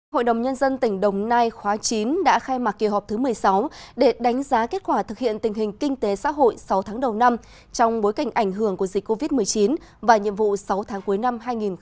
hội đồng nhân dân tỉnh đồng nai khóa chín đã khai mạc kỳ họp thứ một mươi sáu để đánh giá kết quả thực hiện tình hình kinh tế xã hội sáu tháng đầu năm trong bối cảnh ảnh hưởng của dịch covid một mươi chín và nhiệm vụ sáu tháng cuối năm hai nghìn hai mươi